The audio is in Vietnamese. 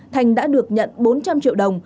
thành đã được nhận bốn trăm linh triệu đồng